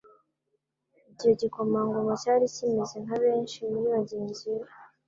Icyo gikomangoma cyari kimeze nka benshi muri bagenzi be